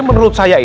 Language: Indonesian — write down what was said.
bapak security bawa